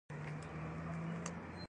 د زوی جنازه یې ښخوله.